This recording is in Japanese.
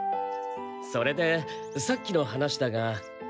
それでさっきの話だが。